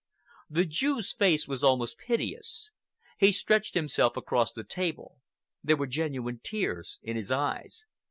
The Jew's face was almost piteous. He stretched himself across the table. There were genuine tears in his eyes.